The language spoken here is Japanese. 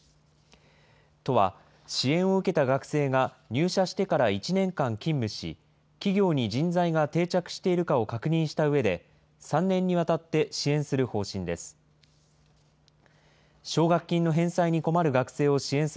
都は、支援を受けた学生が入社してから１年間勤務し、企業に人材が定着しているかを確認したうえで、３年にわたって支援する方針です。